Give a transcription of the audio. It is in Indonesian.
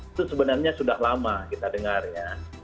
itu sebenarnya sudah lama kita dengar ya